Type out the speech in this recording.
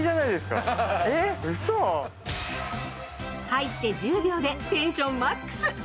入って１０秒でテンションマックス。